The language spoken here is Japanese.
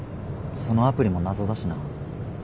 そのアプリも謎だしな。